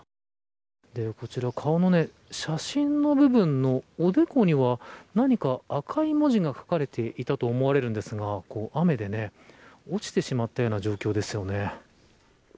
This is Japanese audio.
こちら、顔の写真の部分のおでこには、何か赤い文字が書かれていたと思われるんですが雨で落ちてしまったような状況ですよね。